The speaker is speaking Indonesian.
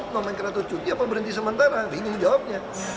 momen kreatur cuti apa berhenti sementara bingung jawabnya